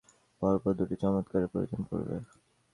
খাড়াভাবে ঢলে আক্রমণের জন্য, পরপর দুটো চমৎকারের প্রয়োজন পড়বে।